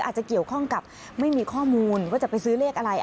อาจจะเกี่ยวข้องกับไม่มีข้อมูลว่าจะไปซื้อเลขอะไร